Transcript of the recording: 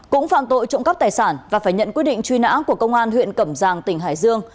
cũng phạm tội trộm cắp tài sản và phải nhận quyết định truy nã của công an huyện cẩm giang tỉnh hải dương